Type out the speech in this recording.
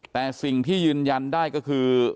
แต่สิ่งที่ยืนยันได้ก็คือ